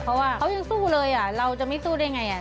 เพราะว่าเขายังสู้เลยเราจะไม่สู้ได้ไง